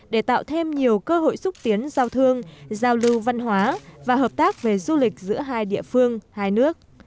để tạo thêm nhiều cơ hội xúc tiến giao thương giao lưu văn hóa và hợp tác về du lịch giữa hai địa phương hai nước